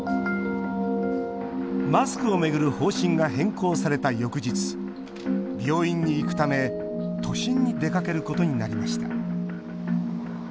マスクを巡る方針が変更された翌日病院に行くため都心に出かけることになりました。